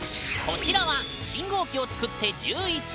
こちらは信号機を作って１１年。